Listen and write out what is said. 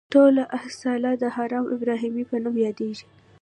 ټوله احاطه د حرم ابراهیمي په نوم یادیږي.